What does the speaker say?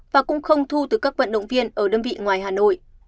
và cũng không thu từ các vận động viên ở đơn vị ngoài hà nội